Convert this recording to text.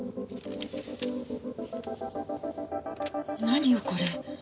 何よこれ。